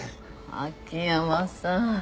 秋山さん